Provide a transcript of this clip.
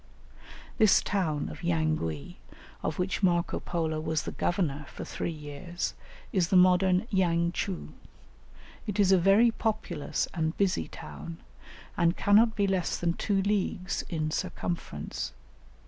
This town of Yangui, of which Marco Polo was the governor for three years, is the modern Yang tchou; it is a very populous and busy town, and cannot be less than two leagues in circumference.